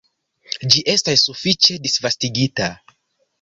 Ĝi estas sufiĉe disvastigita.